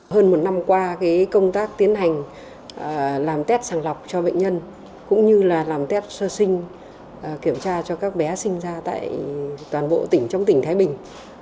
hơn một năm qua công tác tiến hành làm test sàng lọc cho bệnh nhân cũng như là làm test sơ sinh kiểm tra cho các bé sinh ra tại toàn bộ tỉnh trong tỉnh thái bình